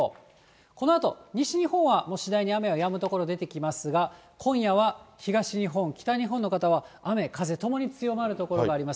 このあと、西日本は次第に雨はやむ所、出てきますが、今夜は東日本、北日本の方は雨風ともに強まる所があります。